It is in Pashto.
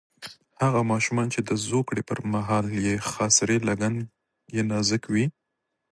هغه ماشومان چې د زوکړې پر مهال یې خاصرې لګن یې نازک وي.